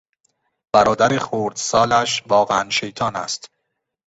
برادر خردسالش واقعا شیطان است.